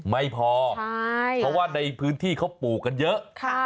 ไม่พอเพราะว่าในพื้นที่เขาปลูกกันเยอะ